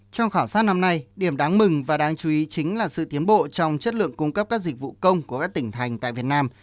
trong khảo sát năm nay điểm đáng mừng và đáng chú ý chính là sự tiến bộ trong chất lượng cung cấp các dịch vụ công của các tỉnh thành tại việt nam